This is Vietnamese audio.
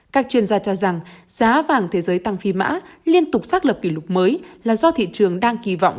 các chuyên gia cho rằng giá vàng thế giới tăng phi mã liên tục xác lập kỷ lục mới là do thị trường đang kỳ vọng